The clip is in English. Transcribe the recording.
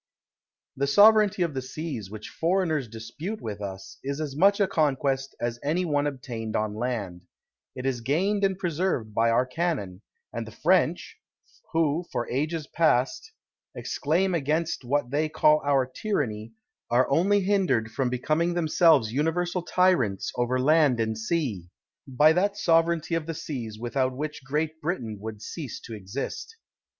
The sovereignty of the seas, which foreigners dispute with us, is as much a conquest as any one obtained on land; it is gained and preserved by our cannon, and the French, who, for ages past, exclaim against what they call our tyranny, are only hindered from becoming themselves universal tyrants over laud and sea, by that sovereignty of the seas without which Great Britain would cease to exist.